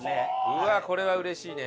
うわあこれは嬉しいね。